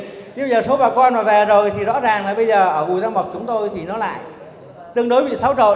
nhưng giờ số bà con mà về rồi thì rõ ràng là bây giờ ở bùi gia mập chúng tôi thì nó lại tương đối bị xáo trộn